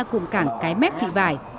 ra cụm cảng cái mép thị vải